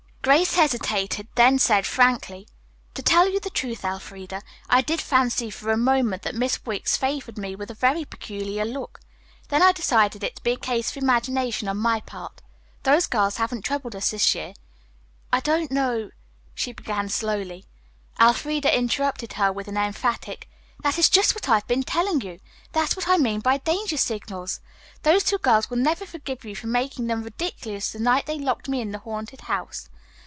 Grace hesitated, then said frankly: "To tell you the truth, Elfreda, I did fancy for a moment that Miss Wicks favored me with a very peculiar look. Then I decided it to be a case of imagination on my part. Those girls haven't troubled us this year. I don't know " she began slowly. Elfreda interrupted her with an emphatic: "That is just what I've been telling you. That's what I mean by danger signals. Those two girls will never forgive you for making them ridiculous the night they locked me in the haunted house.